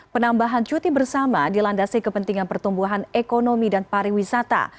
penambahan cuti bersama dilandasi kepentingan pertumbuhan ekonomi dan pariwisata